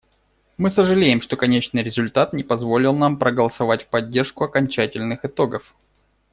Мы сожалеем, что конечный результат не позволил нам проголосовать в поддержку окончательных итогов.